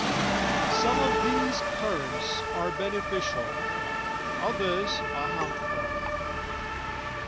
Some of these currents are beneficial, others are harmful.